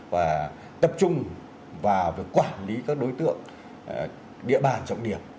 và tập trung vào việc quản lý các đối tượng địa bàn trọng điểm